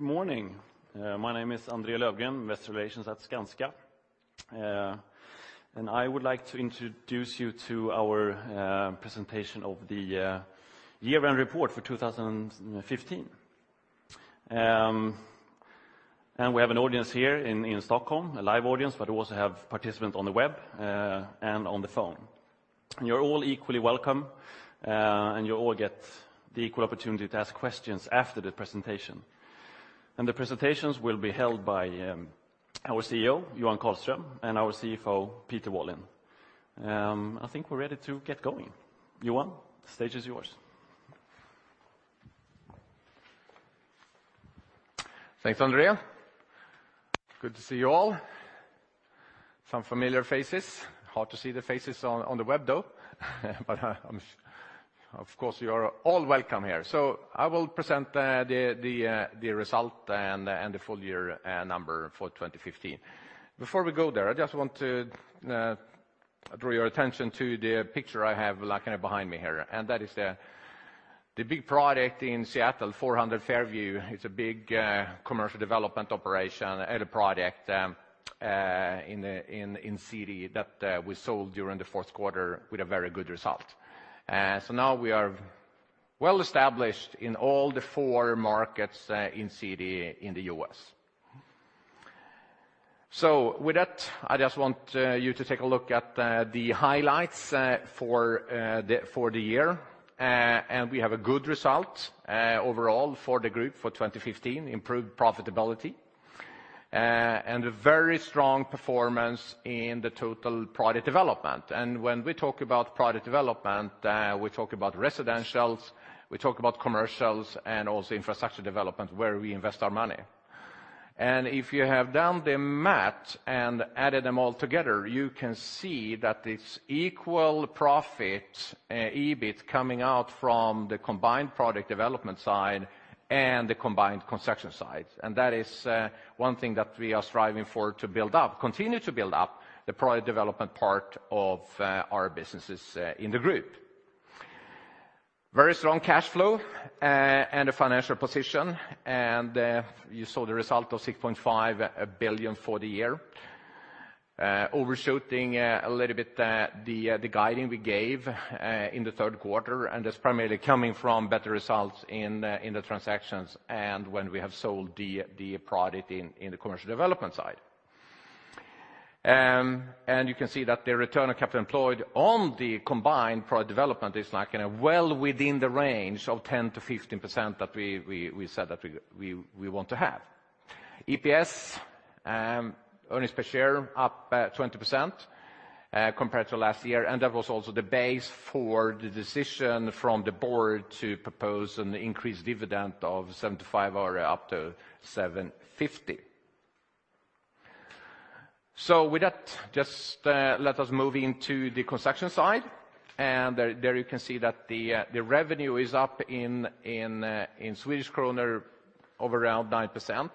Good morning. My name is André Löfgren, Investor Relations at Skanska. And I would like to introduce you to our presentation of the year-end report for 2015. And we have an audience here in Stockholm, a live audience, but we also have participants on the web and on the phone. And you're all equally welcome, and you all get the equal opportunity to ask questions after the presentation. And the presentations will be held by our CEO, Johan Karlström, and our CFO, Peter Wallin. I think we're ready to get going. Johan, the stage is yours. Thanks, André. Good to see you all. Some familiar faces. Hard to see the faces on the web, though, but of course, you are all welcome here. So I will present the result and the full year number for 2015. Before we go there, I just want to draw your attention to the picture I have, like, kind of behind me here, and that is the big project in Seattle, 400 Fairview. It's a big commercial development operation and a project in CD that we sold during the fourth quarter with a very good result. So now we are well-established in all the four markets in CD in the U.S. So with that, I just want you to take a look at the highlights for the year. And we have a good result overall for the group for 2015, improved profitability, and a very strong performance in the total Project Development. And when we talk about Project Development, we talk about residentials, we talk about commercials, and also infrastructure development, where we invest our money. And if you have done the math and added them all together, you can see that it's equal profit, EBIT, coming out from the combined Project Development side and the combined construction side. And that is one thing that we are striving for to build up, continue to build up, the Project Development part of our businesses in the group. Very strong cash flow and a financial position, and you saw the result of 6.5 billion for the year, overshooting a little bit the guiding we gave in the third quarter, and that's primarily coming from better results in the transactions, and when we have sold the product in the commercial development side. And you can see that the return on capital employed on the combined Project Development is, like, well within the range of 10%-15% that we said that we want to have. EPS, earnings per share, up 20% compared to last year, and that was also the base for the decision from the board to propose an increased dividend of 7.50 or up to 7.50. So with that, just, let us move into the construction side, and there, there you can see that the revenue is up in Swedish krona of around 9%,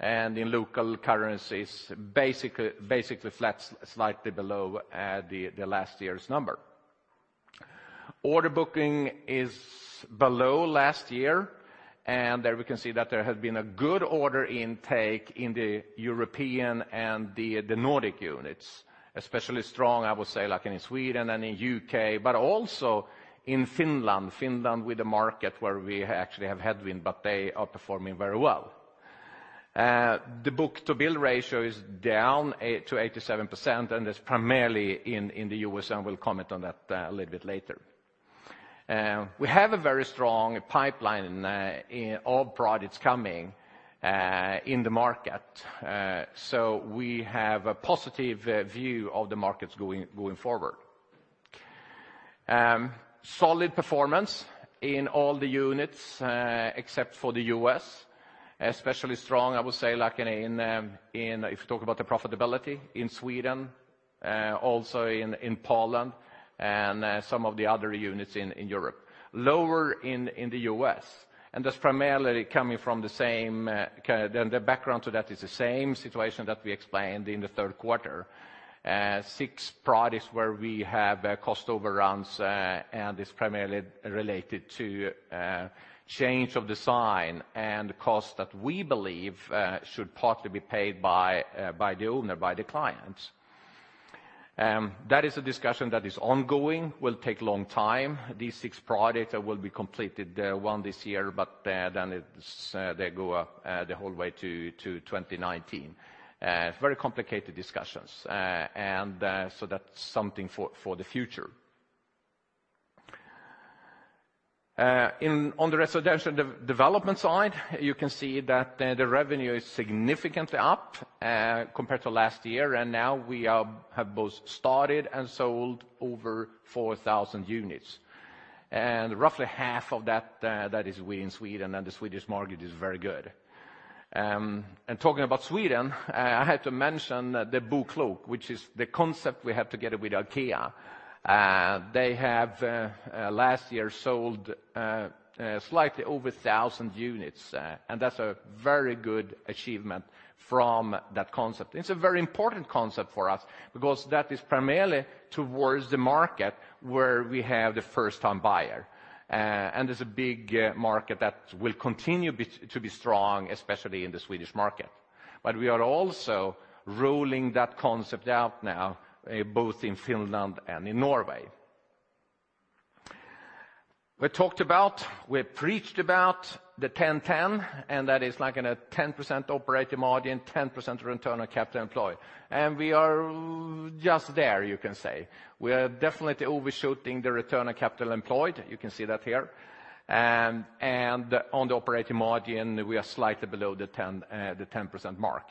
and in local currencies, basically, basically flat, slightly below the last year's number. Order booking is below last year, and there we can see that there has been a good order intake in the European and the Nordic units. Especially strong, I would say, like in Sweden and in U.K., but also in Finland. Finland with a market where we actually have headwind, but they are performing very well. The book-to-bill ratio is down 8%-8.7%, and that's primarily in the U.S., and we'll comment on that a little bit later. We have a very strong pipeline in all projects coming in the market, so we have a positive view of the markets going forward. Solid performance in all the units except for the U.S. Especially strong, I would say, like in if you talk about the profitability, in Sweden, also in Poland, and some of the other units in Europe. Lower in the U.S., and that's primarily coming from the same kind of—The background to that is the same situation that we explained in the third quarter. Six projects where we have cost overruns, and it's primarily related to change of design and cost that we believe should partly be paid by the owner, by the client. That is a discussion that is ongoing, will take long time. These six projects will be completed one this year, but then it's they go up the whole way to 2019. Very complicated discussions, and so that's something for the future. In on the residential development side, you can see that the revenue is significantly up compared to last year, and now we have both started and sold over 4,000 units. And roughly half of that that is we in Sweden, and the Swedish market is very good. And talking about Sweden, I have to mention the BoKlok, which is the concept we have together with IKEA. They have last year sold slightly over 1,000 units, and that's a very good achievement from that concept. It's a very important concept for us, because that is primarily towards the market where we have the first-time buyer. And it's a big market that will continue to be strong, especially in the Swedish market. But we are also rolling that concept out now both in Finland and in Norway. We talked about, we've preached about the 10/10, and that is like in a 10% operating margin, 10% return on capital employed. And we are just there, you can say. We are definitely overshooting the return on capital employed. You can see that here. And on the operating margin, we are slightly below the 10% mark.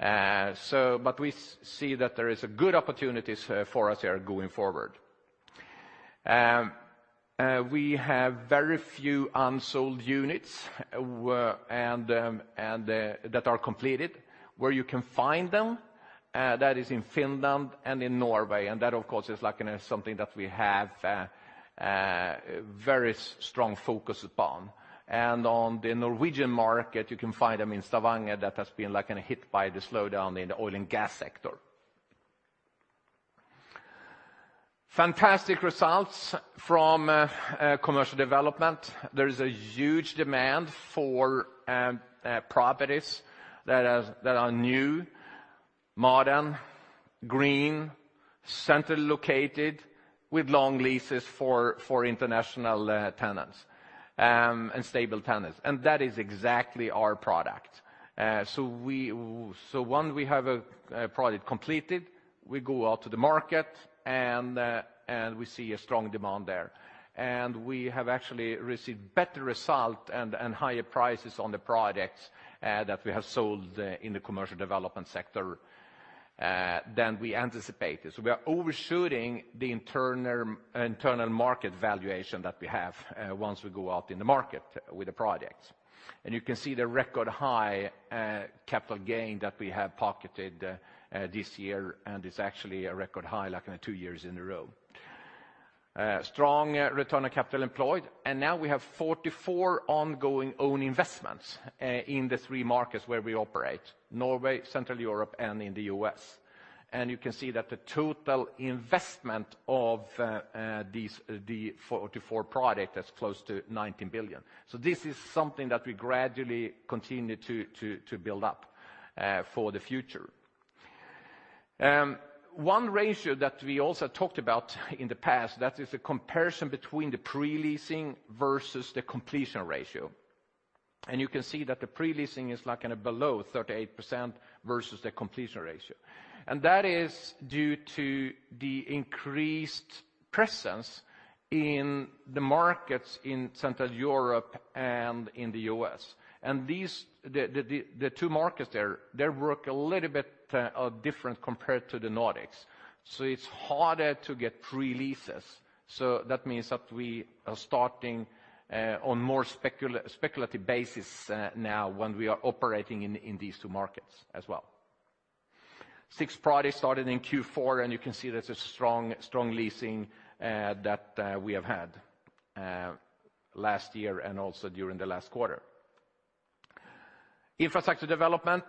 So but we see that there is a good opportunities for us here going forward. We have very few unsold units and that are completed. Where you can find them, that is in Finland and in Norway, and that, of course, is like in something that we have a very strong focus upon. And on the Norwegian market, you can find them in Stavanger that has been, like, in a hit by the slowdown in the oil and gas sector. Fantastic results from commercial development. There is a huge demand for properties that are new, modern, green, center located, with long leases for international tenants and stable tenants. And that is exactly our product. So once we have a product completed, we go out to the market, and we see a strong demand there. And we have actually received better result and higher prices on the projects that we have sold in the commercial development sector than we anticipated. So we are overshooting the internal market valuation that we have once we go out in the market with the projects. And you can see the record high capital gain that we have pocketed this year, and it's actually a record high, like, in two years in a row. Strong return on capital employed, and now we have 44 ongoing own investments in the three markets where we operate: Norway, Central Europe, and in the U.S. And you can see that the total investment of these the 44 product is close to 19 billion. So this is something that we gradually continue to build up for the future. One ratio that we also talked about in the past, that is a comparison between the pre-leasing versus the completion ratio. And you can see that the pre-leasing is, like, in a below 38% versus the completion ratio. And that is due to the increased presence in the markets in Central Europe and in the U.S. And these the two markets there, they work a little bit different compared to the Nordics, so it's harder to get pre-leases. So that means that we are starting on more speculative basis now, when we are operating in these two markets as well. Six projects started in Q4, and you can see that's a strong, strong leasing that we have had last year and also during the last quarter. Infrastructure development,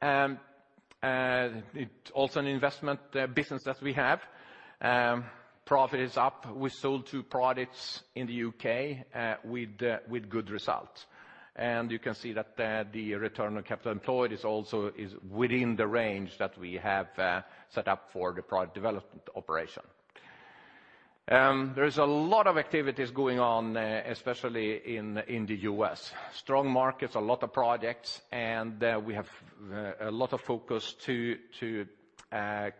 it also an investment business that we have. Profit is up. We sold two projects in the U.K. with good results. And you can see that the return on capital employed is also within the range that we have set up for the Project Development operation. There's a lot of activities going on especially in the U.S. Strong markets, a lot of projects, and we have a lot of focus to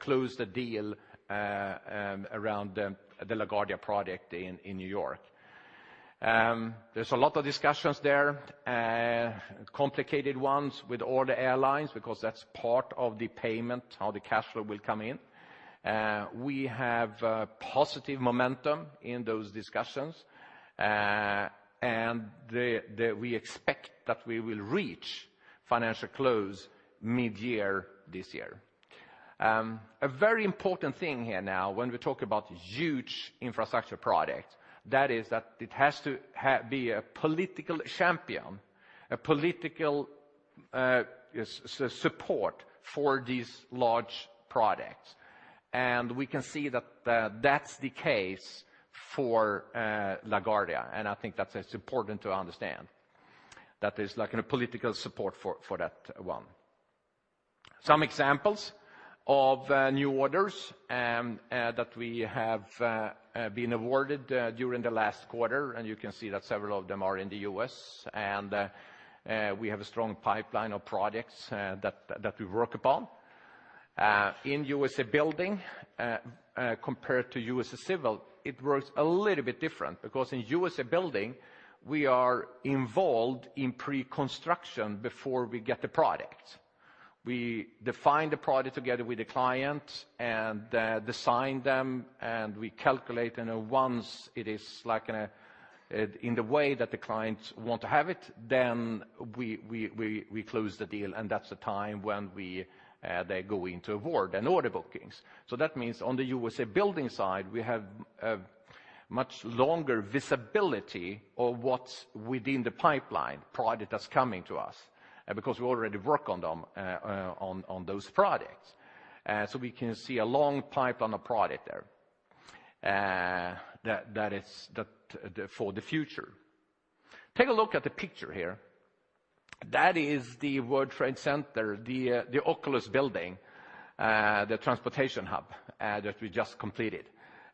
close the deal around the LaGuardia project in New York. There's a lot of discussions there, complicated ones with all the airlines, because that's part of the payment, how the cash flow will come in. We have positive momentum in those discussions, and the-- we expect that we will reach financial close mid-year this year. A very important thing here now, when we talk about huge infrastructure project, that is that it has to be a political champion, a political support for these large projects. And we can see that, that's the case for LaGuardia, and I think that's important to understand, that there's, like, a political support for that one. Some examples of new orders that we have been awarded during the last quarter, and you can see that several of them are in the U.S. We have a strong pipeline of projects that we work upon. In USA Building, compared to USA Civil, it works a little bit different, because in USA Building, we are involved in pre-construction before we get the product. We define the product together with the client, and design them, and we calculate, and once it is, like, in the way that the clients want to have it, then we close the deal, and that's the time when they go into award and order bookings. So that means on the USA Building side, we have a much longer visibility of what's within the pipeline project that's coming to us, because we already work on them on those projects. So we can see a long pipeline of product there that is for the future. Take a look at the picture here. That is the World Trade Center, the Oculus building, the transportation hub that we just completed.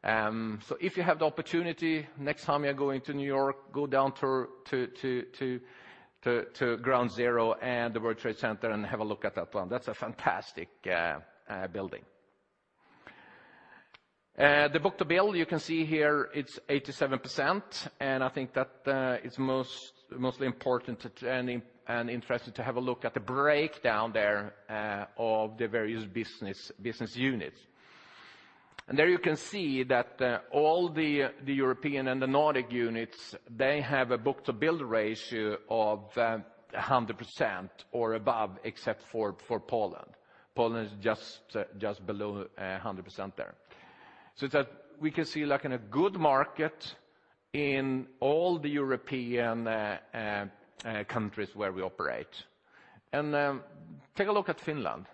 So if you have the opportunity, next time you're going to New York, go down to Ground Zero and the World Trade Center and have a look at that one. That's a fantastic building. The book-to-bill, you can see here, it's 87%, and I think that it's mostly important and interesting to have a look at the breakdown there of the various business units. There you can see that, all the, the European and the Nordic units, they have a book-to-bill ratio of 100% or above, except for, for Poland. Poland is just, just below, 100% there. So that we can see like in a good market in all the European, countries where we operate. Take a look at Finland.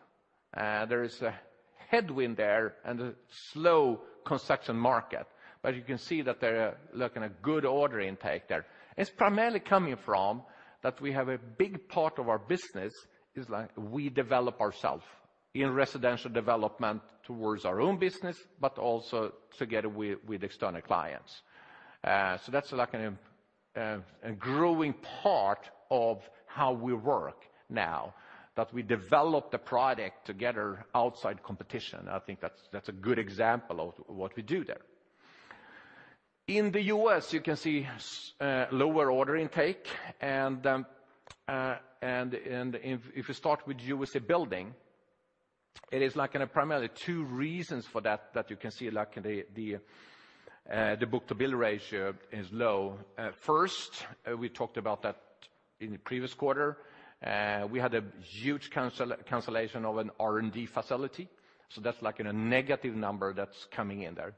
There is a headwind there and a slow construction market, but you can see that there are, like, in a good order intake there. It's primarily coming from that we have a big part of our business is, like, we develop ourself in residential development towards our own business, but also together with, with external clients. So that's like, a growing part of how we work now, that we develop the product together outside competition. I think that's a good example of what we do there. In the U.S., you can see lower order intake, and if you start with USA Building, it is like primarily two reasons for that that you can see, like, in the book-to-bill ratio is low. First, we talked about that in the previous quarter. We had a huge cancellation of an R&D facility, so that's like a negative number that's coming in there.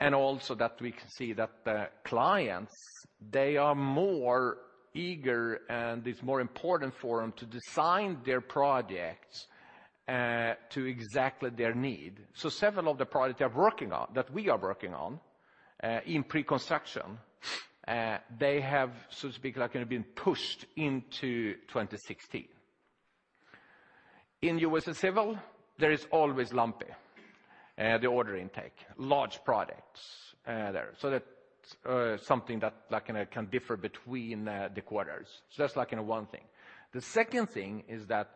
And also that we can see that the clients, they are more eager, and it's more important for them to design their projects to exactly their need. So several of the projects they are working on, that we are working on, in pre-construction, they have, so to speak, like, have been pushed into 2016. In USA Civil, there is always lumpy the order intake, large projects there. So that's something that, like, can differ between the quarters. So that's like in one thing. The second thing is that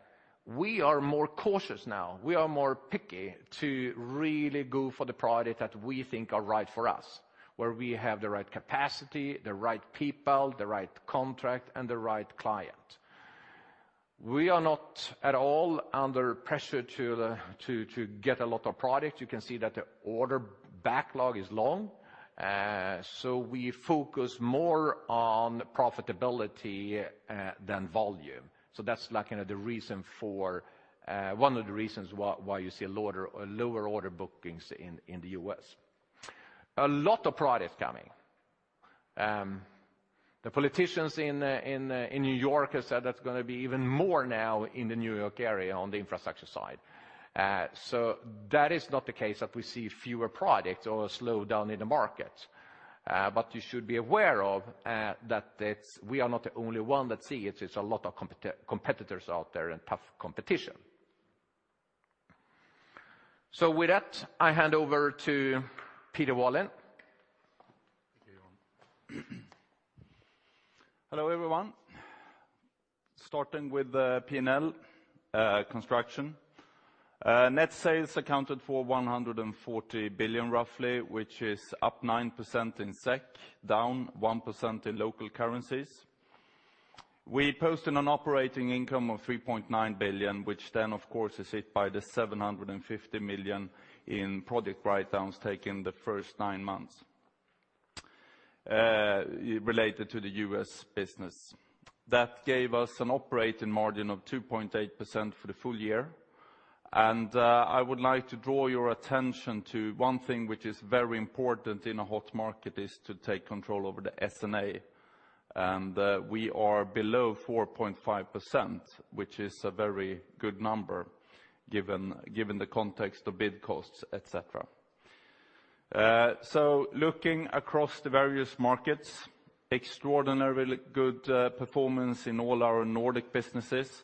we are more cautious now. We are more picky to really go for the product that we think are right for us, where we have the right capacity, the right people, the right contract, and the right client. We are not at all under pressure to to get a lot of product. You can see that the order backlog is long, so we focus more on profitability than volume. So that's like, you know, the reason for one of the reasons why you see lower order bookings in the U.S.. A lot of projects coming. The politicians in New York have said that's gonna be even more now in the New York area on the infrastructure side. So that is not the case that we see fewer projects or a slowdown in the market. But you should be aware of that it's we are not the only one that see it. It's a lot of competitors out there and tough competition. With that, I hand over to Peter Wallin. Thank you, everyone. Hello, everyone. Starting with the P&L, Construction. Net sales accounted for 140 billion, roughly, which is up 9% in SEK, down 1% in local currencies. We posted an operating income of 3.9 billion, which then, of course, is hit by the 750 million in project write-downs taken the first 9 months, related to the U.S. business. That gave us an operating margin of 2.8% for the full year, and, I would like to draw your attention to one thing, which is very important in a hot market, is to take control over the SG&A. And, we are below 4.5%, which is a very good number, given, given the context of bid costs, et cetera. So looking across the various markets, extraordinarily good performance in all our Nordic businesses,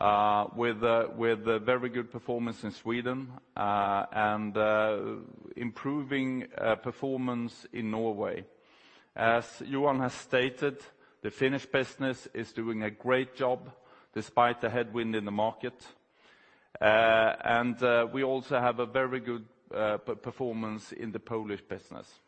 with a very good performance in Sweden, and improving performance in Norway. As Johan has stated, the Finnish business is doing a great job despite the headwind in the market. And we also have a very good performance in the Polish business.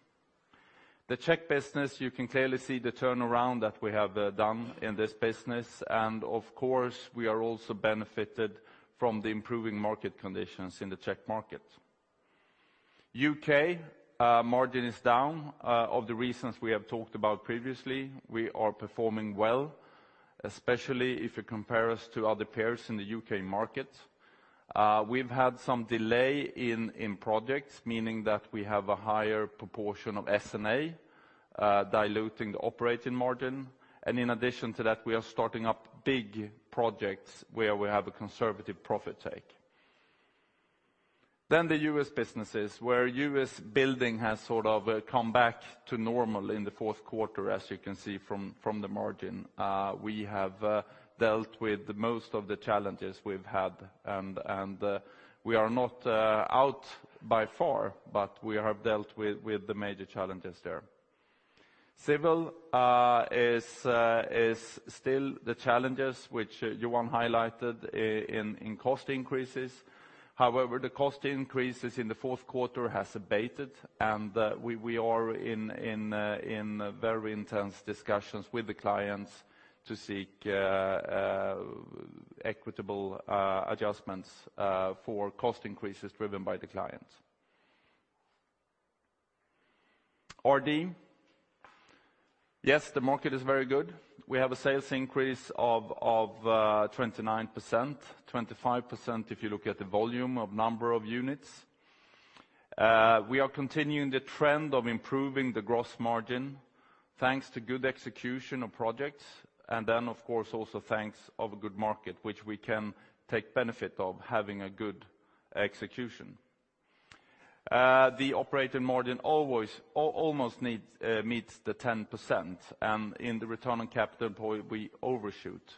The Czech business, you can clearly see the turnaround that we have done in this business, and of course, we are also benefited from the improving market conditions in the Czech market. U.K. margin is down. Of the reasons we have talked about previously, we are performing well, especially if you compare us to other peers in the U.K. markets. We've had some delay in projects, meaning that we have a higher proportion of SG&A, diluting the operating margin. And in addition to that, we are starting up big projects where we have a conservative profit take. Then the U.S. businesses, where U.S. building has sort of come back to normal in the fourth quarter, as you can see from the margin. We have dealt with the most of the challenges we've had, and we are not out by far, but we have dealt with the major challenges there. Civil is still the challenges which Johan highlighted in cost increases. However, the cost increases in the fourth quarter has abated, and we are in very intense discussions with the clients to seek equitable adjustments for cost increases driven by the clients. RD, yes, the market is very good. We have a sales increase of 29%, 25% if you look at the volume of number of units. We are continuing the trend of improving the gross margin, thanks to good execution of projects, and then, of course, also thanks of a good market, which we can take benefit of having a good execution. The operating margin almost meets the 10%, and in the return on capital point, we overshoot.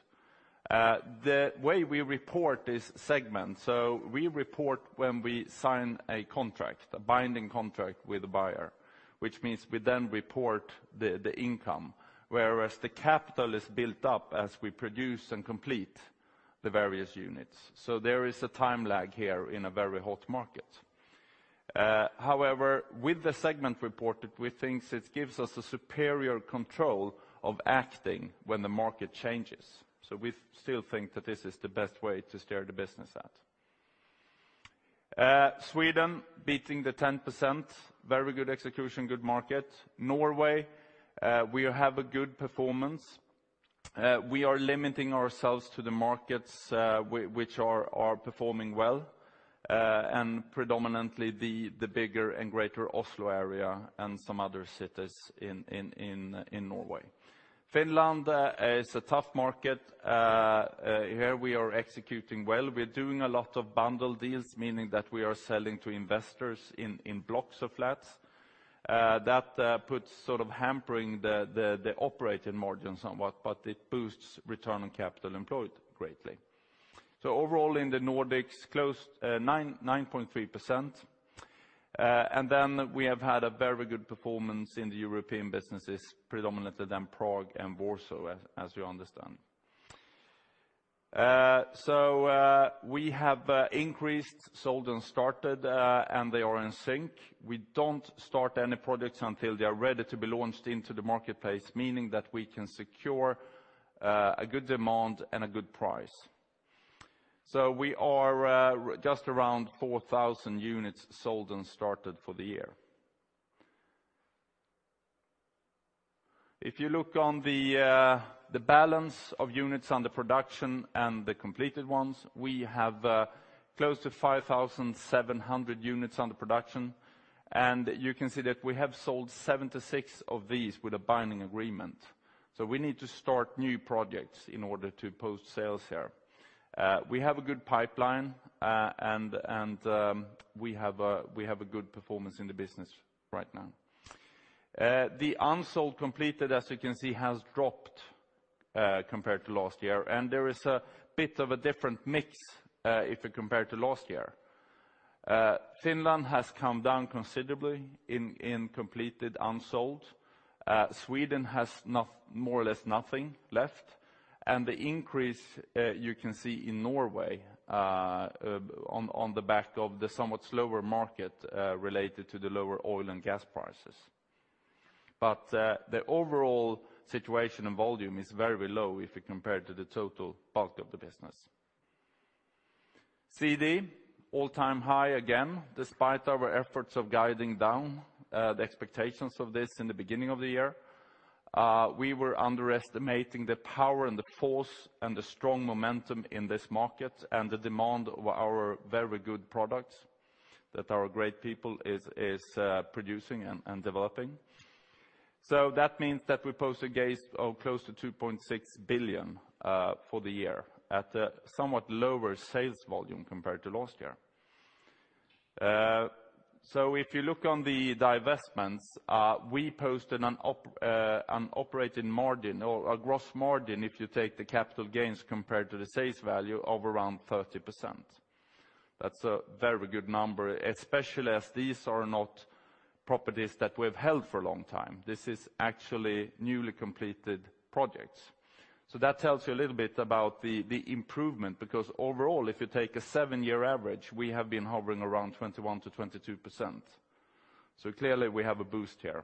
The way we report this segment, so we report when we sign a contract, a binding contract with the buyer, which means we then report the income, whereas the capital is built up as we produce and complete the various units. So there is a time lag here in a very hot market. However, with the segment reported, we think it gives us a superior control of acting when the market changes. So we still think that this is the best way to steer the business at. Sweden beating the 10%, very good execution, good market. Norway, we have a good performance. We are limiting ourselves to the markets, which are performing well, and predominantly the bigger and greater Oslo area and some other cities in Norway. Finland is a tough market. Here we are executing well. We're doing a lot of bundle deals, meaning that we are selling to investors in blocks of flats. That puts sort of hampering the operating margin somewhat, but it boosts return on capital employed greatly. So overall, in the Nordics, close to 9.3%. And then we have had a very good performance in the European businesses, predominantly in Prague and Warsaw, as you understand. So we have increased, sold, and started, and they are in sync. We don't start any projects until they are ready to be launched into the marketplace, meaning that we can secure a good demand and a good price. So we are just around 4,000 units sold and started for the year. If you look on the balance of units under production and the completed ones, we have close to 5,700 units under production, and you can see that we have sold 76 of these with a binding agreement. So we need to start new projects in order to post sales here. We have a good pipeline, and we have a good performance in the business right now. The unsold completed, as you can see, has dropped compared to last year, and there is a bit of a different mix if you compare to last year. Finland has come down considerably in completed, unsold. Sweden has more or less nothing left, and the increase you can see in Norway on the back of the somewhat slower market related to the lower oil and gas prices. But the overall situation and volume is very low if you compare to the total bulk of the business. CD, all-time high again, despite our efforts of guiding down the expectations of this in the beginning of the year. We were underestimating the power and the force and the strong momentum in this market, and the demand of our very good projects that our great people is producing and developing. So that means that we post gains of close to 2.6 billion for the year at a somewhat lower sales volume compared to last year. So if you look on the divestments, we posted an operating margin or a gross margin, if you take the capital gains compared to the sales value, of around 30%. That's a very good number, especially as these are not properties that we've held for a long time. This is actually newly completed projects. So that tells you a little bit about the improvement, because overall, if you take a 7-year average, we have been hovering around 21%-22%. So clearly, we have a boost here.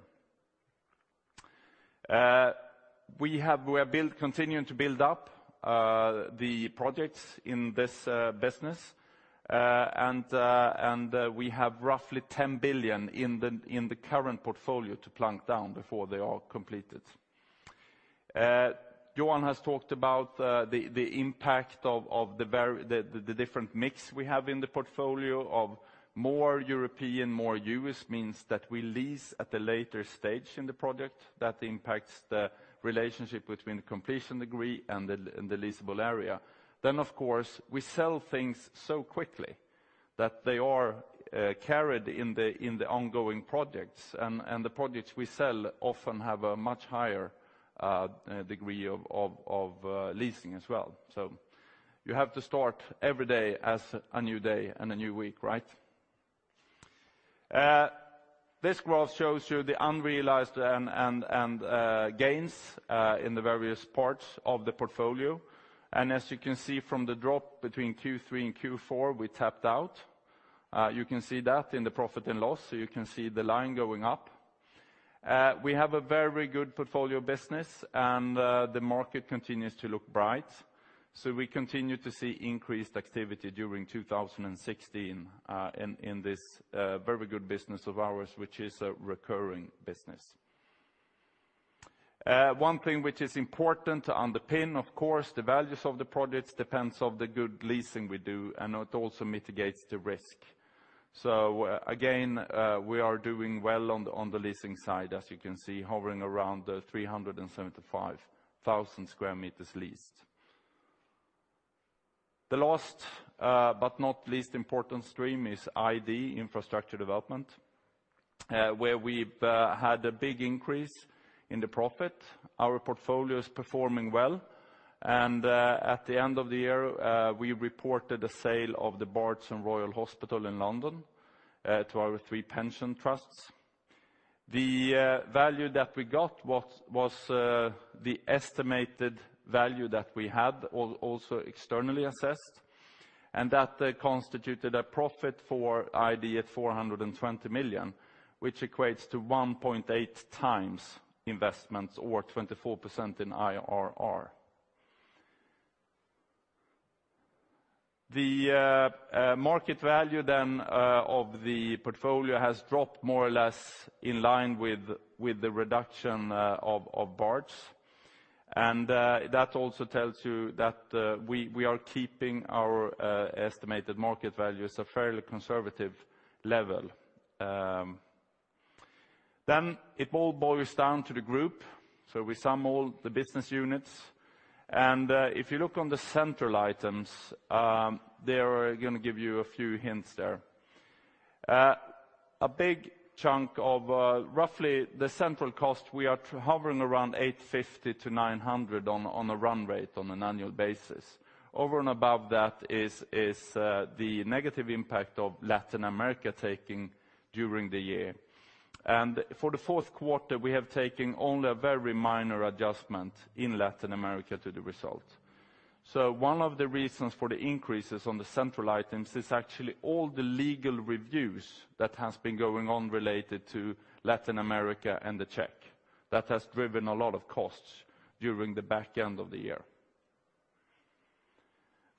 We are continuing to build up the projects in this business, and we have roughly 10 billion in the current portfolio to plunk down before they are completed. Johan has talked about the impact of the different mix we have in the portfolio of more European, more U.S., means that we lease at a later stage in the project. That impacts the relationship between the completion degree and the leasable area. Then, of course, we sell things so quickly that they are carried in the ongoing projects, and the projects we sell often have a much higher degree of leasing as well. So you have to start every day as a new day and a new week, right? This graph shows you the unrealized gains in the various parts of the portfolio. And as you can see from the drop between Q3 and Q4, we tapped out. You can see that in the profit and loss, so you can see the line going up. We have a very good portfolio business, and the market continues to look bright. So we continue to see increased activity during 2016, in this very good business of ours, which is a recurring business. One thing which is important to underpin, of course, the values of the projects depends on the good leasing we do, and it also mitigates the risk. So, again, we are doing well on the leasing side, as you can see, hovering around the 375,000 square meters leased. The last, but not least important stream is ID, infrastructure development, where we've had a big increase in the profit. Our portfolio is performing well, and at the end of the year, we reported a sale of the Barts and Royal Hospital in London to our three pension trusts. The value that we got was the estimated value that we had also externally assessed, and that constituted a profit for ID at 420 million, which equates to 1.8x investments or 24% in IRR. The market value then of the portfolio has dropped more or less in line with the reduction of Barts. And that also tells you that we are keeping our estimated market values a fairly conservative level. Then it all boils down to the group, so we sum all the business units. If you look at the central items, they are gonna give you a few hints there. A big chunk of roughly the central cost, we are hovering around 850 million-900 million on a run rate on an annual basis. Over and above that is the negative impact of Latin America taking during the year. For the fourth quarter, we have taken only a very minor adjustment in Latin America to the result. One of the reasons for the increases on the central items is actually all the legal reviews that has been going on related to Latin America and the Czech Republic. That has driven a lot of costs during the back end of the year.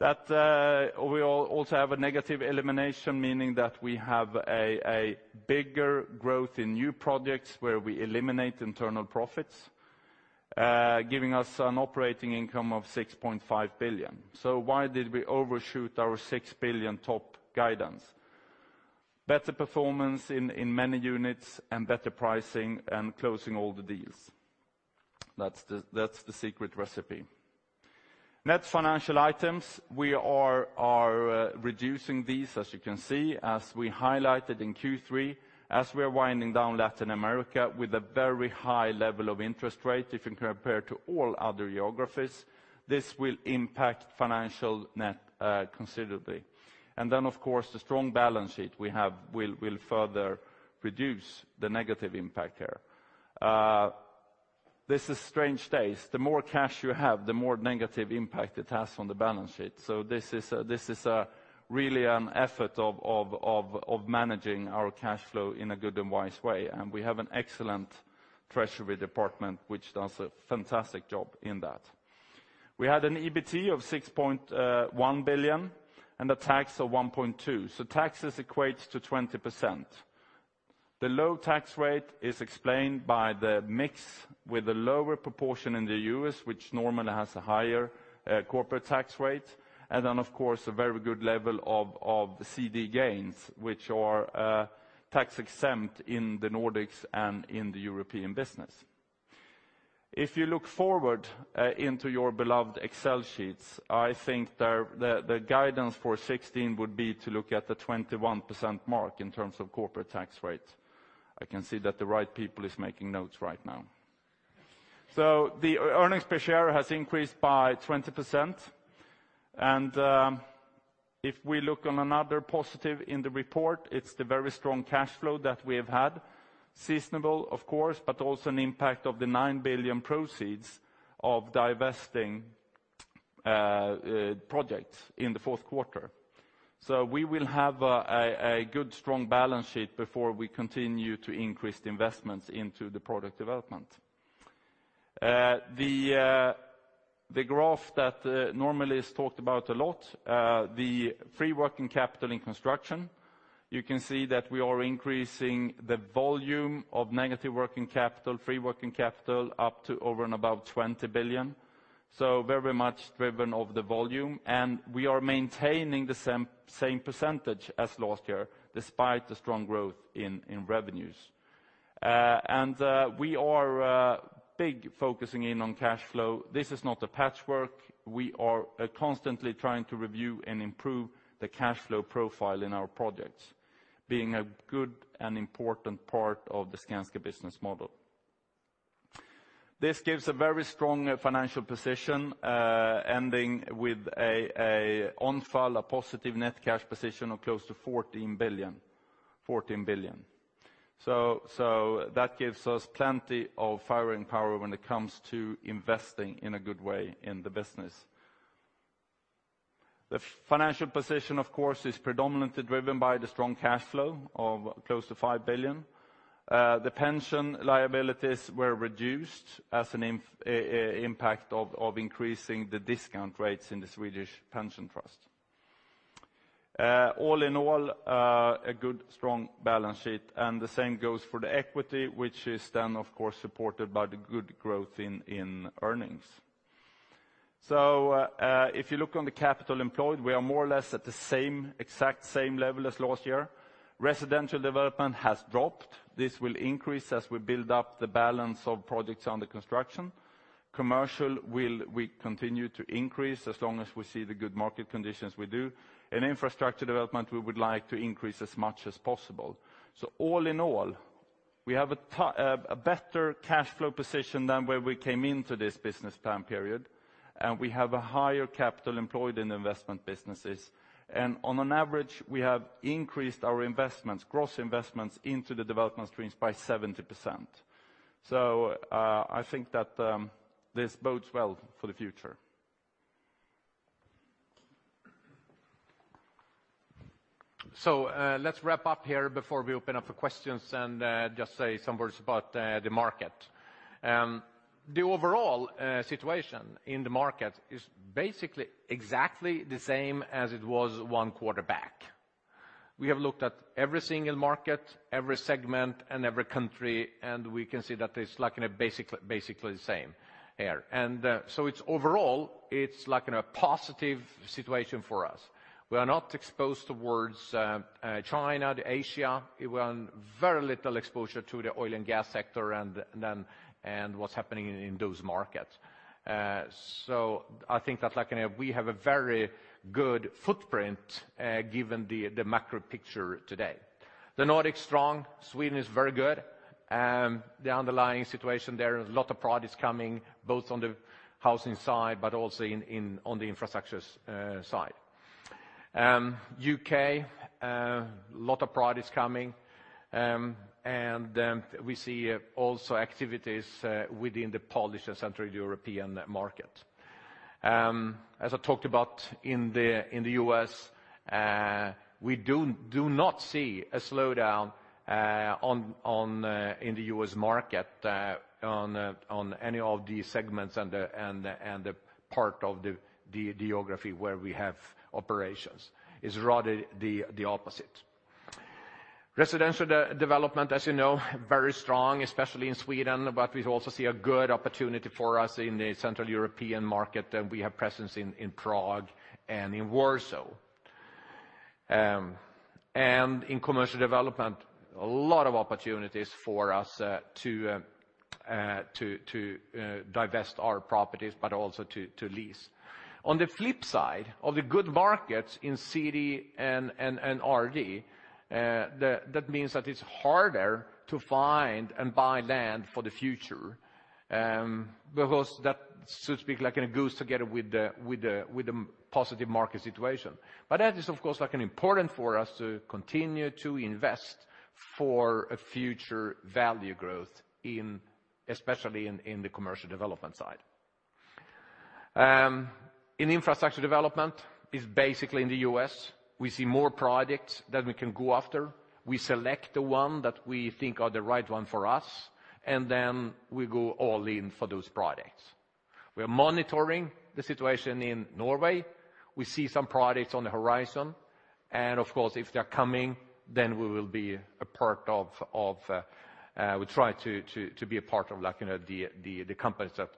That, we also have a negative elimination, meaning that we have a bigger growth in new projects where we eliminate internal profits, giving us an operating income of 6.5 billion. So why did we overshoot our 6 billion top guidance? Better performance in many units and better pricing and closing all the deals. That's the secret recipe. Net financial items, we are reducing these, as you can see, as we highlighted in Q3, as we are winding down Latin America with a very high level of interest rate, if you compare to all other geographies, this will impact financial net considerably. And then, of course, the strong balance sheet we have will further reduce the negative impact here. This is strange days. The more cash you have, the more negative impact it has on the balance sheet. So this is really an effort of managing our cash flow in a good and wise way. And we have an excellent treasury department, which does a fantastic job in that. We had an EBT of 6.1 billion and a tax of 1.2 billion, so taxes equates to 20%. The low tax rate is explained by the mix with a lower proportion in the U.S., which normally has a higher corporate tax rate, and then, of course, a very good level of CD gains, which are tax-exempt in the Nordics and in the European business. If you look forward into your beloved Excel sheets, I think the guidance for 2016 would be to look at the 21% mark in terms of corporate tax rate. I can see that the right people is making notes right now. So the earnings per share has increased by 20%, and if we look on another positive in the report, it's the very strong cash flow that we have had. Seasonal, of course, but also an impact of the 9 billion proceeds of divesting projects in the fourth quarter. So we will have a good, strong balance sheet before we continue to increase the investments into the Project Development. The graph that normally is talked about a lot, the free working capital in construction, you can see that we are increasing the volume of negative working capital, free working capital, up to over and above 20 billion, so very much driven of the volume. And we are maintaining the same, same percentage as last year, despite the strong growth in revenues, and, we are big focusing in on cash flow. This is not a patchwork. We are constantly trying to review and improve the cash flow profile in our projects, being a good and important part of the Skanska business model. This gives a very strong financial position ending with an overall positive net cash position of close to 14 billion, 14 billion. So that gives us plenty of firing power when it comes to investing in a good way in the business. The financial position, of course, is predominantly driven by the strong cash flow of close to 5 billion. The pension liabilities were reduced as an impact of increasing the discount rates in the Swedish pension trust. All in all, a good, strong balance sheet, and the same goes for the equity, which is then, of course, supported by the good growth in earnings. So, if you look on the capital employed, we are more or less at the same, exact same level as last year. Residential Development has dropped. This will increase as we build up the balance of projects under construction. Commercial will we continue to increase as long as we see the good market conditions we do. In Infrastructure Development, we would like to increase as much as possible. So all in all, we have a better cash flow position than where we came into this business time period, and we have a higher capital employed in investment businesses. And on an average, we have increased our investments, gross investments, into the development streams by 70%. So, I think that, this bodes well for the future. So, let's wrap up here before we open up for questions and, just say some words about, the market. The overall, situation in the market is basically exactly the same as it was one quarter back. We have looked at every single market, every segment, and every country, and we can see that it's like in a basically, basically the same area. And, so it's overall, it's like in a positive situation for us. We are not exposed towards, China, to Asia. We want very little exposure to the oil and gas sector and then, and what's happening in, those markets. So I think that, like, you know, we have a very good footprint, given the, the macro picture today. The Nordics strong, Sweden is very good, the underlying situation there, a lot of projects coming, both on the housing side, but also in on the infrastructure side. U.K., a lot of projects coming, and we see also activities within the Polish and Central European market. As I talked about in the U.S., we do not see a slowdown on in the U.S. market on any of these segments and the part of the geography where we have operations. It's rather the opposite. Residential development, as you know, very strong, especially in Sweden, but we also see a good opportunity for us in the Central European market, and we have presence in Prague and in Warsaw. In commercial development, a lot of opportunities for us to divest our properties, but also to lease. On the flip side, of the good markets in CD and RD, that means that it's harder to find and buy land for the future, because that so to speak, like, it goes together with the positive market situation. But that is, of course, like, an important for us to continue to invest for a future value growth in, especially in the commercial development side. In infrastructure development, it's basically in the U.S. We see more projects that we can go after. We select the one that we think are the right one for us, and then we go all in for those projects. We are monitoring the situation in Norway. We see some projects on the horizon, and of course, if they're coming, then we will be a part of, we try to be a part of, like, you know, the companies that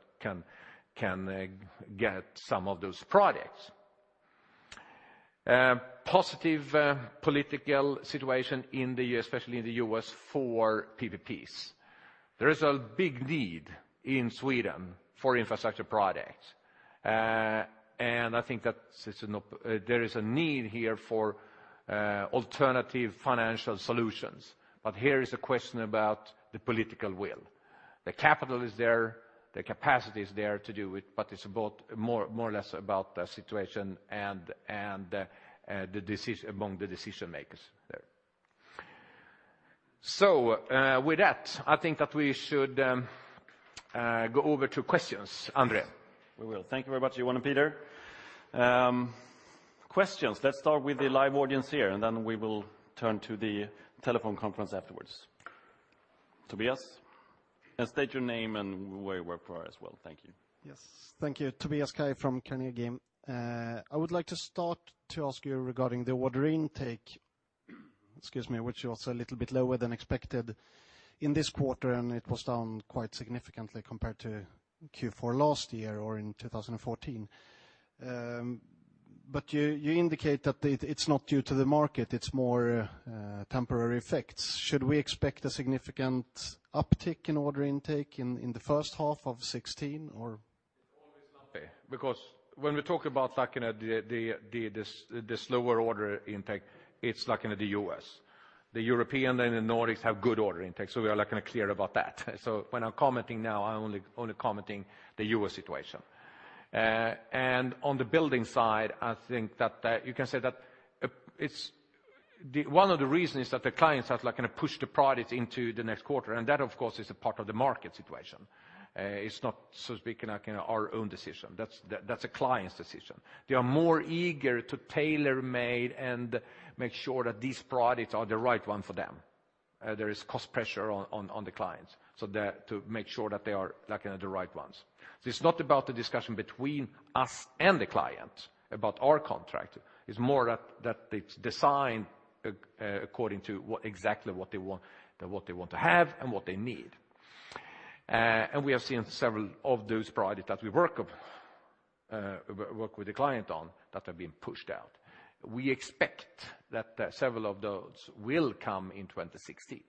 can get some of those projects. Positive political situation, especially in the U.S. for PPPs. There is a big need in Sweden for infrastructure projects. And I think there is a need here for alternative financial solutions. But here is a question about the political will. The capital is there, the capacity is there to do it, but it's about more or less about the situation and the decisions among the decision-makers there. So, with that, I think that we should go over to questions. André? We will. Thank you very much, Johan and Peter. Questions, let's start with the live audience here, and then we will turn to the telephone conference afterwards. Tobias? And state your name and where you work for as well. Thank you. Yes. Thank you. Tobias Kaj from Carnegie. I would like to start to ask you regarding the order intake, excuse me, which is also a little bit lower than expected in this quarter, and it was down quite significantly compared to Q4 last year or in 2014. But you, you indicate that it, it's not due to the market, it's more, temporary effects. Should we expect a significant uptick in order intake in, in the first half of 2016, or? because when we talk about like, you know, the slower order intake, it's like in the U.S.. The European and the Nordics have good order intake, so we are, like, kind of clear about that. So when I'm commenting now, I'm only commenting the U.S. situation. And on the building side, I think that you can say that it's the one of the reasons is that the clients have, like, kind of pushed the product into the next quarter, and that, of course, is a part of the market situation. It's not, so to speak, like, in our own decision. That's a client's decision. They are more eager to tailor-made and make sure that these projects are the right one for them. There is cost pressure on the clients, so that to make sure that they are, like, you know, the right ones. It's not about the discussion between us and the client, about our contract. It's more that it's designed according to what exactly what they want, what they want to have and what they need. And we have seen several of those projects that we work with the client on, that have been pushed out. We expect that several of those will come in 2016.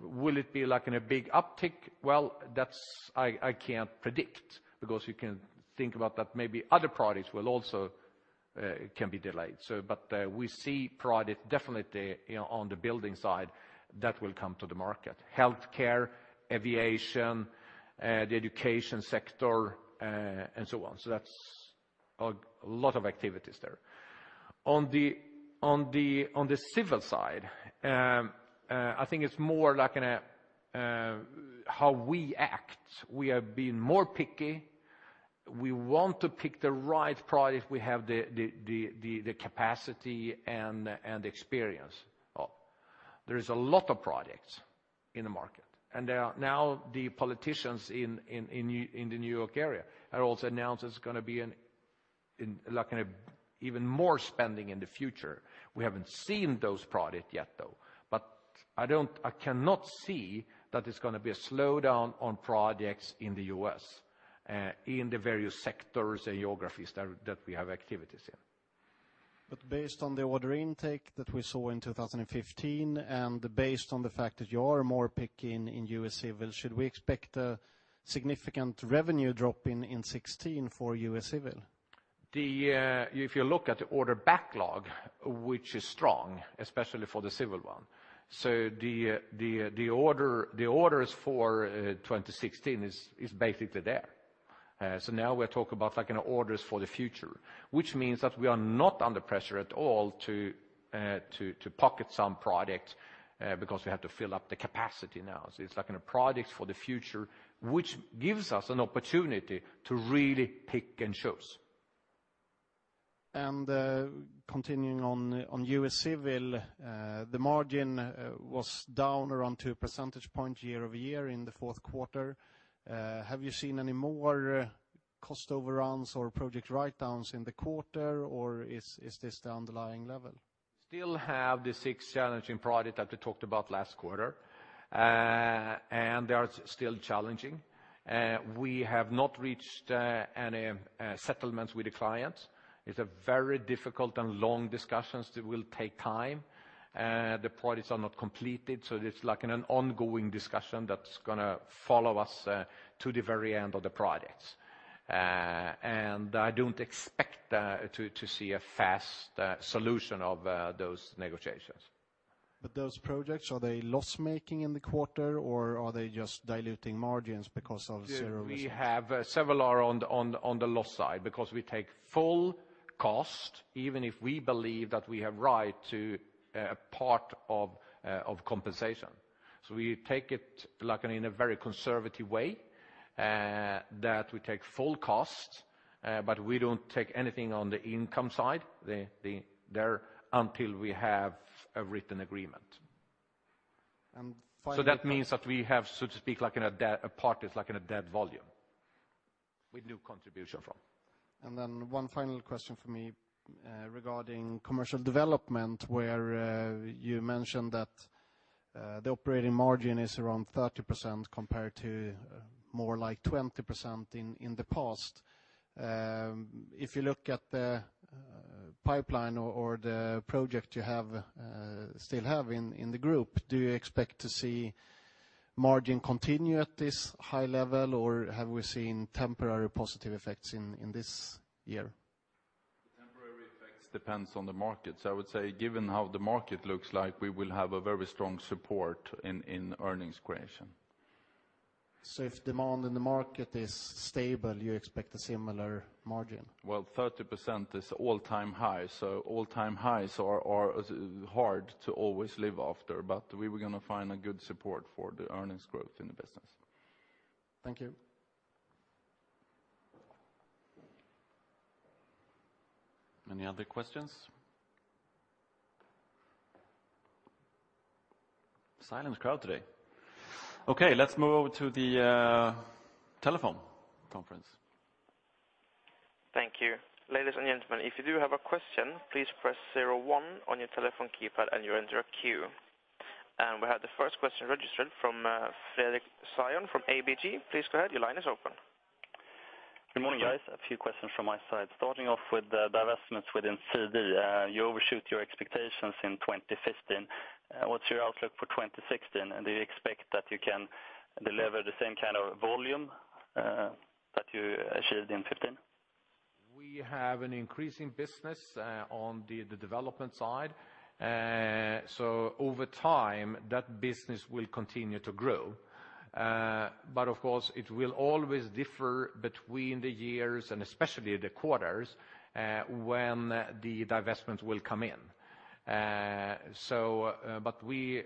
Will it be like in a big uptick? Well, that's—I can't predict, because you can think about that maybe other projects will also can be delayed. So but, we see projects definitely, you know, on the building side that will come to the market. Healthcare, aviation, the education sector, and so on. So that's a lot of activities there. On the civil side, I think it's more like in a how we act. We have been more picky. We want to pick the right product if we have the capacity and experience. There is a lot of projects in the market, and there are now the politicians in the New York area have also announced there's gonna be, like, even more spending in the future. We haven't seen those projects yet, though. But I don't, I cannot see that it's gonna be a slowdown on projects in the U.S., in the various sectors and geographies that we have activities in. Based on the order intake that we saw in 2015, and based on the fact that you are more picky in U.S. Civil, should we expect a significant revenue drop in 2016 for U.S. Civil? If you look at the order backlog, which is strong, especially for the civil one, the orders for 2016 is basically there. So now we're talking about like in orders for the future, which means that we are not under pressure at all to pocket some product because we have to fill up the capacity now. So it's like in a product for the future, which gives us an opportunity to really pick and choose. Continuing on U.S. Civil, the margin was down around 2 percentage points year-over-year in the fourth quarter. Have you seen any more cost overruns or project write-downs in the quarter, or is this the underlying level? Still have the six challenging projects that we talked about last quarter, and they are still challenging. We have not reached any settlements with the clients. It's a very difficult and long discussions that will take time. The projects are not completed, so it's like in an ongoing discussion that's gonna follow us to the very end of the projects. And I don't expect to see a fast solution of those negotiations. But those projects, are they loss-making in the quarter, or are they just diluting margins because of zero reasons? We have several on the loss side, because we take full cost, even if we believe that we have right to a part of compensation. So we take it, like, in a very conservative way, that we take full cost, but we don't take anything on the income side until we have a written agreement. And finally- That means that we have, so to speak, like in a dead, a part is like in a dead volume with no contribution from. And then one final question for me, regarding commercial development, where you mentioned that the operating margin is around 30% compared to more like 20% in the past. If you look at the pipeline or the project you still have in the group, do you expect to see margin continue at this high level, or have we seen temporary positive effects in this year? Temporary effects depends on the market. So I would say, given how the market looks like, we will have a very strong support in earnings creation. So if demand in the market is stable, you expect a similar margin? Well, 30% is all-time high, so all-time highs are, are hard to always live after, but we were gonna find a good support for the earnings growth in the business. Thank you. Any other questions? Silent crowd today. Okay, let's move over to the telephone conference. Thank you. Ladies and gentlemen, if you do have a question, please press zero one on your telephone keypad and you enter a queue. We have the first question registered from Fredrik Steinsvik from ABG. Please go ahead, your line is open. Good morning, guys. A few questions from my side. Starting off with the divestments within CD, you overshoot your expectations in 2015. What's your outlook for 2016? And do you expect that you can deliver the same kind of volume, that you achieved in 2015? We have an increasing business on the development side. So over time, that business will continue to grow. But of course, it will always differ between the years and especially the quarters when the divestments will come in. So, but we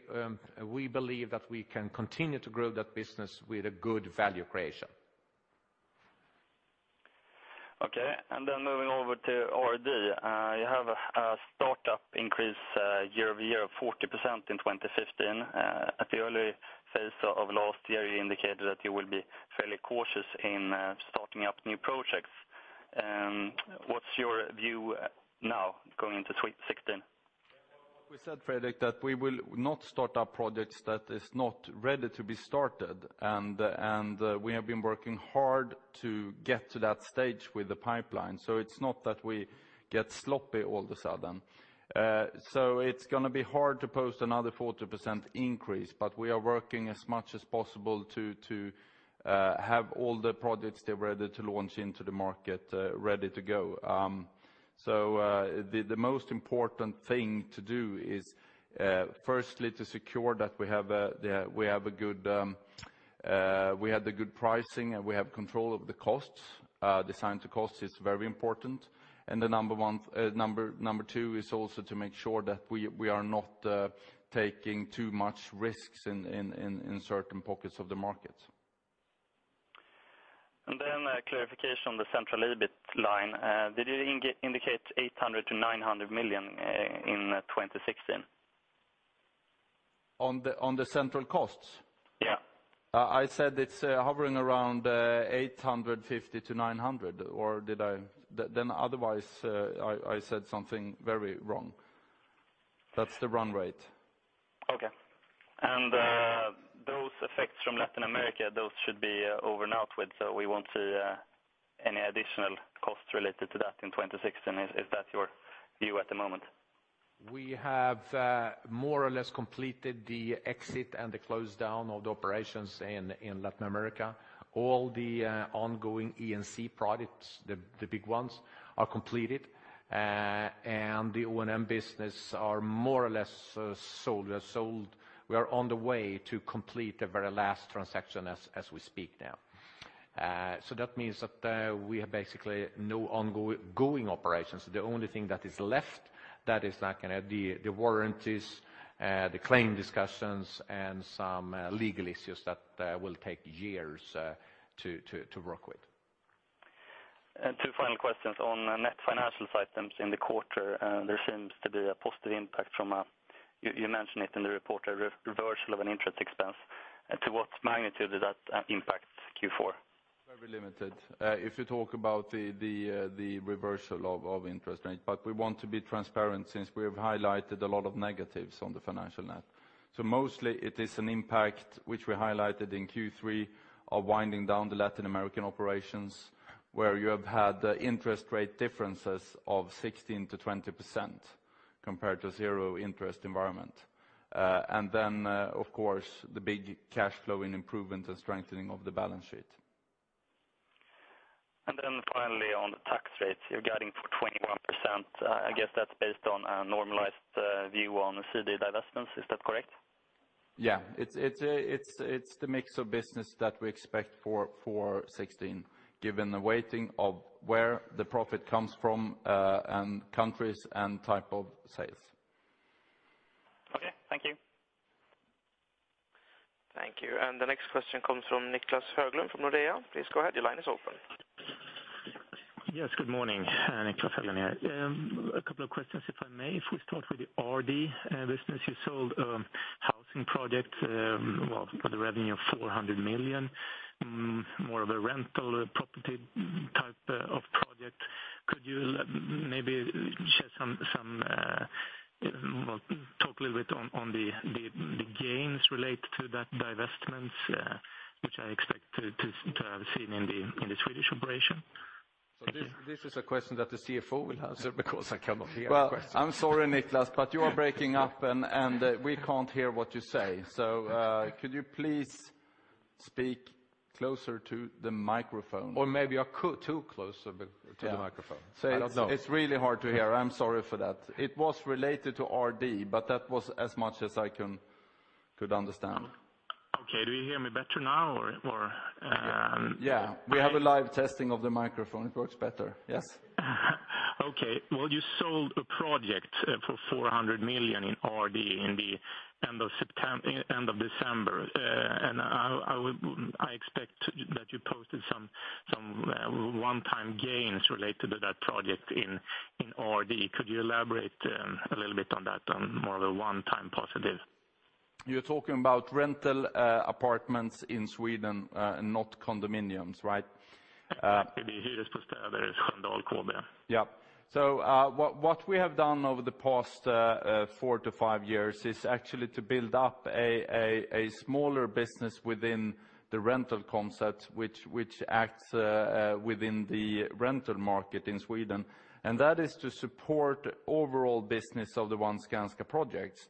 believe that we can continue to grow that business with a good value creation. Okay, and then moving over to RD. You have a startup increase year-over-year of 40% in 2015. At the early phase of last year, you indicated that you will be fairly cautious in starting up new projects. What's your view now going into 2016? We said, Fredrik, that we will not start up projects that is not ready to be started, and we have been working hard to get to that stage with the pipeline. So it's not that we get sloppy all of a sudden. So it's gonna be hard to post another 40% increase, but we are working as much as possible to have all the projects they're ready to launch into the market, ready to go. The most important thing to do is, firstly, to secure that we have a good, we have the good pricing, and we have control of the costs. Design to cost is very important, and the number one, number two is also to make sure that we are not taking too much risks in certain pockets of the markets. Then a clarification on the central EBIT line. Did you indicate 800 million-900 million in 2016? On the central costs? Yeah. I said it's hovering around 850 million- 900 million, or did I... Then otherwise, I said something very wrong. That's the run rate. Okay. And, those effects from Latin America, those should be, over and out with, so we won't see, any additional costs related to that in 2016. Is that your view at the moment? We have more or less completed the exit and the close down of the operations in Latin America. All the ongoing E&C projects, the big ones, are completed. And the O&M business are more or less sold. We are on the way to complete the very last transaction as we speak now. So that means that we have basically no ongoing operations. The only thing that is left, that is not gonna—the warranties, the claim discussions, and some legal issues that will take years to work with. Two final questions. On net financial items in the quarter, there seems to be a positive impact from, you mentioned it in the report, a reversal of an interest expense. To what magnitude does that impact Q4? Very limited. If you talk about the reversal of interest rate, but we want to be transparent since we have highlighted a lot of negatives on the financial net. So mostly it is an impact which we highlighted in Q3 of winding down the Latin American operations, where you have had interest rate differences of 16%-20% compared to zero interest environment. And then, of course, the big cash flow in improvement and strengthening of the balance sheet. Then finally, on the tax rate, you're guiding for 21%. I guess that's based on a normalized view on CD divestments. Is that correct? Yeah. It's the mix of business that we expect for 2016, given the weighting of where the profit comes from, and countries and type of sales. Okay. Thank you. Thank you. The next question comes from Niclas Höglund, from Nordea. Please go ahead. Your line is open. Yes, good morning, Niclas Höglund here. A couple of questions, if I may. If we start with the RD business, you sold a housing project, well, with a revenue of 400 million, more of a rental property type of project. Could you maybe share some, some, well, talk a little bit on, on the, the, the gains related to that divestments, which I expect to, to, to have seen in the, in the Swedish operation? So this, this is a question that the CFO will answer because I cannot hear the question. Well, I'm sorry, Niclas, but you are breaking up, and we can't hear what you say. So, could you please speak closer to the microphone? Or maybe I'm too close to the microphone. Yeah. I don't know. So it's really hard to hear. I'm sorry for that. It was related to RD, but that was as much as I could understand. Okay. Do you hear me better now? Yeah, we have a live testing of the microphone. It works better. Yes. Okay, well, you sold a project for 400 million in RD in the end of December. And I expect that you posted some one-time gains related to that project in RD. Could you elaborate a little bit on that, on more of a one-time positive? You're talking about rental apartments in Sweden, not condominiums, right? You just stated it's condominium. Yeah. So, what we have done over the past 4 years-5 years is actually to build up a smaller business within the rental concept, which acts within the rental market in Sweden. And that is to support overall business of the one Skanska projects.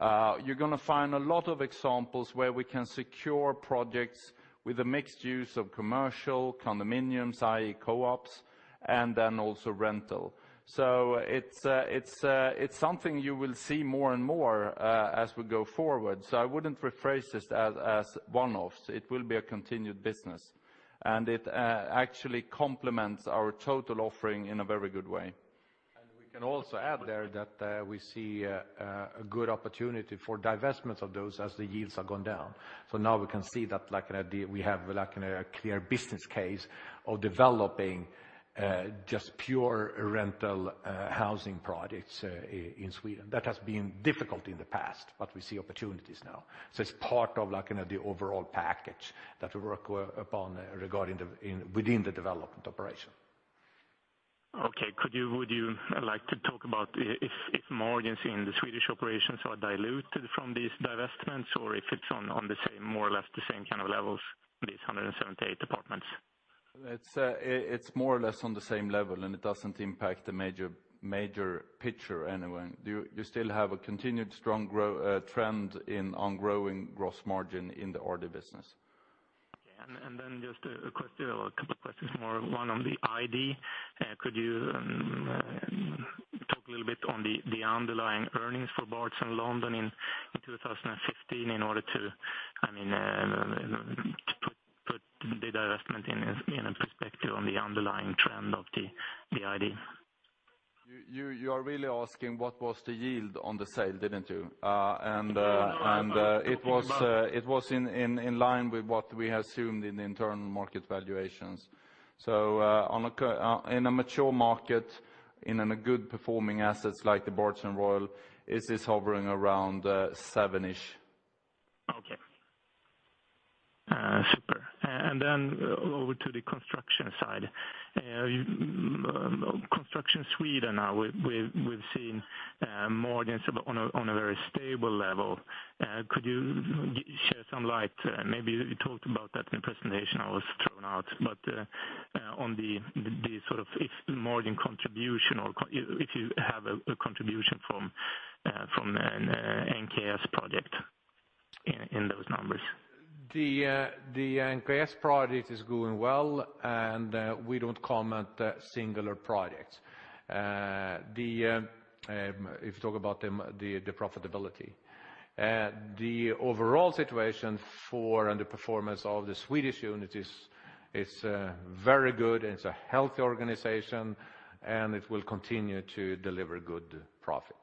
You're gonna find a lot of examples where we can secure projects with a mixed use of commercial, condominiums, i.e., co-ops, and then also rental. So it's something you will see more and more as we go forward. So I wouldn't rephrase this as one-offs. It will be a continued business, and it actually complements our total offering in a very good way. We can also add there that we see a good opportunity for divestments of those as the yields have gone down. So now we can see that, like an idea, we have, like, a clear business case of developing just pure rental housing projects in Sweden. That has been difficult in the past, but we see opportunities now. So it's part of, like, you know, the overall package that we work upon regarding the, in, within the development operation. Okay. Could you, would you like to talk about if margins in the Swedish operations are diluted from these divestments, or if it's on the same, more or less, the same kind of levels, these 178 apartments? It's more or less on the same level, and it doesn't impact the major, major picture anywhere. You still have a continued strong grow trend in on growing gross margin in the RD business. Okay. And then just a question, or a couple of questions more. One on the ID. Could you talk a little bit on the underlying earnings for Barts in London in 2015, in order to, I mean, to put the divestment in a perspective on the underlying trend of the ID? You are really asking what was the yield on the sale, didn't you? No, I'm talking about- It was in line with what we assumed in the internal market valuations. So, in a mature market, in a good performing assets like the Barts and Royal, it is hovering around 7%-ish. Okay. Super. And then over to the construction side. Construction Sweden, now we've seen margins on a very stable level. Could you shed some light? Maybe you talked about that in presentation. I was thrown out, but on the sort of if the margin contribution or if you have a contribution from NKS project in those numbers. The NKS project is going well, and we don't comment, singular projects. If you talk about the profitability, the overall situation for, and the performance of the Swedish unit is, it's very good, it's a healthy organization, and it will continue to deliver good profit.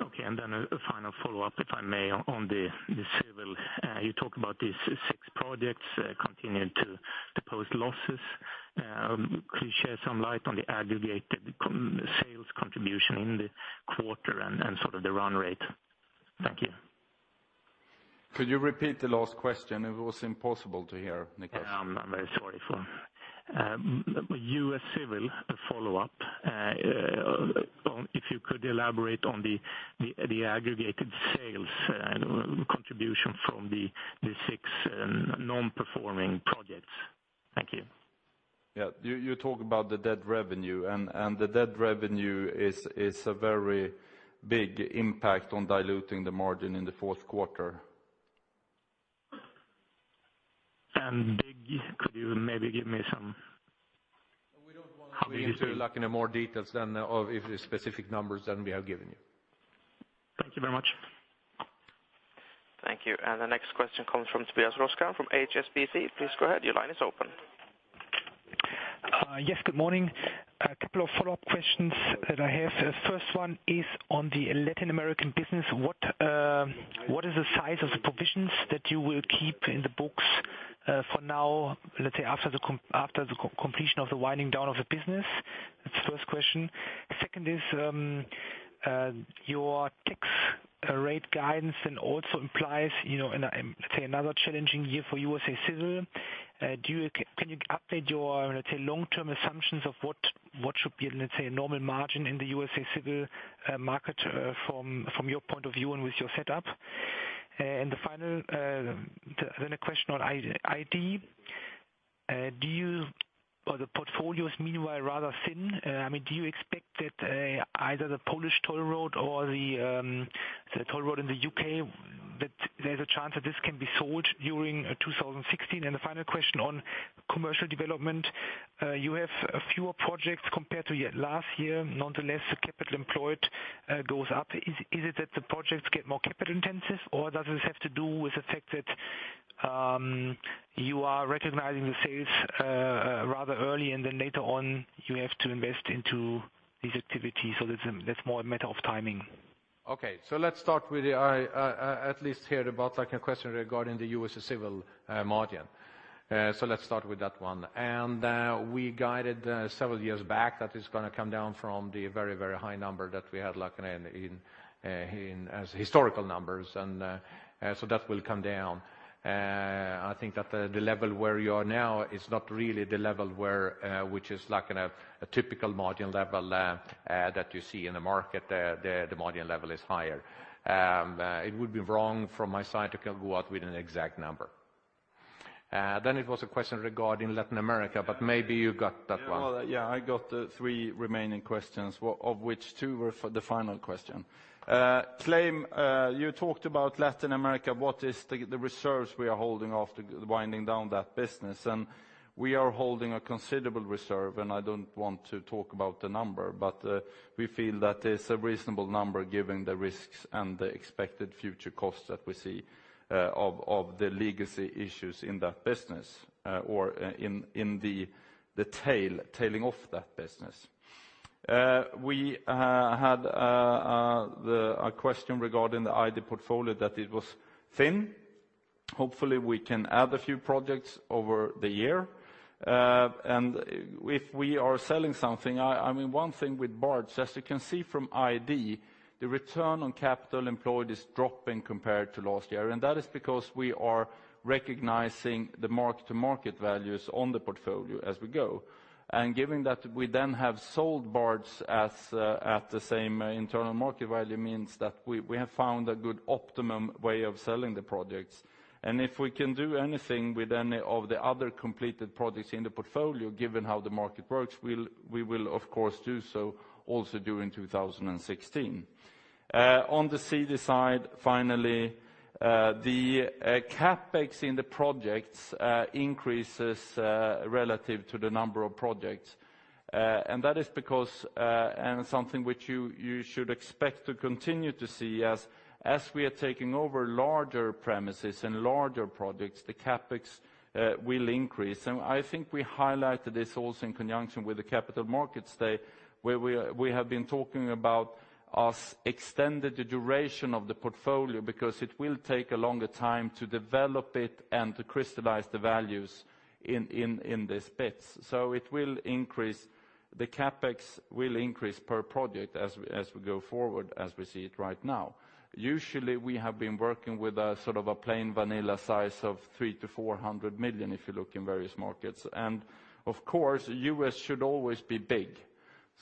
Okay, and then a final follow-up, if I may, on the civil. You talked about these six projects continuing to post losses. Could you shed some light on the aggregated sales contribution in the quarter and sort of the run rate? Thank you. Could you repeat the last question? It was impossible to hear, Niclas. I'm very sorry for... U.S. Civil, a follow-up. On, if you could elaborate on the aggregated sales contribution from the six non-performing projects. Thank you. Yeah. You talk about the dead revenue, and the dead revenue is a very big impact on diluting the margin in the fourth quarter. Could you maybe give me some- We don't want to- How big? Get into, like, more details of the specific numbers than we have given you. Thank you very much. Thank you. And the next question comes from Tobias Loskamp from HSBC. Please go ahead. Your line is open. Yes, good morning. A couple of follow-up questions that I have. First one is on the Latin American business. What is the size of the provisions that you will keep in the books, for now, let's say, after the completion of the winding down of the business? That's the first question. Second is, your tax rate guidance then also implies, you know, and I say, another challenging year for USA Civil. Can you update your, let's say, long-term assumptions of what should be, let's say, a normal margin in the USA Civil market, from your point of view and with your setup? And the final, then a question on ID. Do you—or the portfolio is meanwhile, rather thin. I mean, do you expect that, either the Polish toll road or the, the toll road in the U.K., that there's a chance that this can be sold during 2016? And the final question on commercial development. You have fewer projects compared to last year. Nonetheless, the capital employed, goes up. Is it that the projects get more capital intensive, or does this have to do with the fact that, you are recognizing the sales rather early, and then later on, you have to invest into these activities. So that's, that's more a matter of timing. Okay, so let's start with the, at least hear about like a question regarding the U.S. Civil, margin. So let's start with that one. And, we guided, several years back that it's gonna come down from the very, very high number that we had like in, in, in as historical numbers, and, so that will come down. I think that the, the level where you are now is not really the level where, which is like in a, a typical margin level, that you see in the market, the, the margin level is higher. It would be wrong from my side to go out with an exact number. Then it was a question regarding Latin America, but maybe you got that one. Yeah, well, yeah, I got the three remaining questions, of which two were for the final question. Loskamp, you talked about Latin America, what is the reserves we are holding after winding down that business? And we are holding a considerable reserve, and I don't want to talk about the number, but we feel that it's a reasonable number given the risks and the expected future costs that we see, of the legacy issues in that business, or in the tailing off that business. We had a question regarding the ID portfolio that it was thin. Hopefully, we can add a few projects over the year. And if we are selling something, I mean, one thing with Barts, as you can see from ID, the return on capital employed is dropping compared to last year, and that is because we are recognizing the mark-to-market values on the portfolio as we go. And given that we then have sold Barts at the same internal market value, means that we have found a good optimum way of selling the projects. And if we can do anything with any of the other completed projects in the portfolio, given how the market works, we will, of course, do so also during 2016. On the CD side, finally, the CapEx in the projects increases relative to the number of projects. And that is because, and something which you should expect to continue to see as we are taking over larger premises and larger projects, the CapEx will increase. And I think we highlighted this also in conjunction with the Capital Markets Day, where we have been talking about us extended the duration of the portfolio because it will take a longer time to develop it and to crystallize the values in these bits. So it will increase, the CapEx will increase per project as we go forward, as we see it right now. Usually, we have been working with a sort of a plain vanilla size of 300 million-400 million, if you look in various markets. And of course, U.S. should always be big.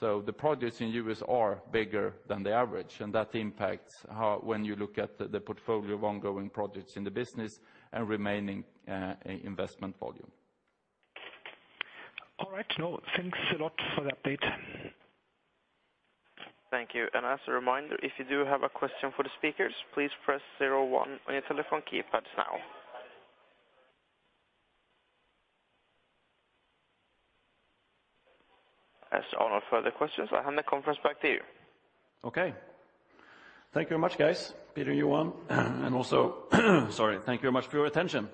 So the projects in the U.S. are bigger than the average, and that impacts how when you look at the portfolio of ongoing projects in the business and remaining investment volume. All right, now, thanks a lot for the update. Thank you. As a reminder, if you do have a question for the speakers, please press zero-one on your telephone keypads now. As there are no further questions, I hand the conference back to you. Okay. Thank you very much, guys. Peter, Johan, and also, sorry, thank you very much for your attention.